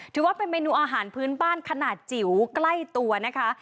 ถือว่าเป็นเมนูอาหารพื้นบ้านขนาดจิ๋วใกล้ตัวนะคะ